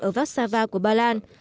ở vác sa va của ba lan